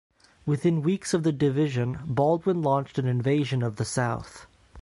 Within weeks of the division Baldwin launched an invasion of the south.